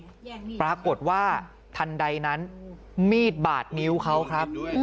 ปรากฏว่าทันใดนั้นมีดบาดนิ้วเขาครับ